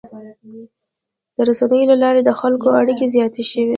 د رسنیو له لارې د خلکو اړیکې زیاتې شوي.